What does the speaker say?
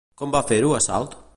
Quan va fer-ho a Salt?